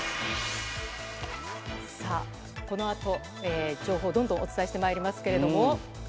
さあ、このあと、情報どんどんお伝えしてまいりますけれども。